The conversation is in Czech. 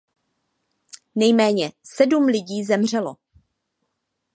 Nejméně sedm lidí zemřelo.